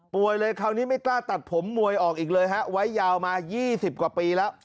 เลยคราวนี้ไม่กล้าตัดผมมวยออกอีกเลยฮะไว้ยาวมา๒๐กว่าปีแล้ว